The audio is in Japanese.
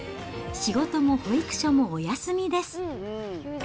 仕事も保育所もお休みです。